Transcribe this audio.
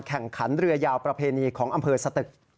แข่งขันเรือยาวประเพณีของอำเภอสตึก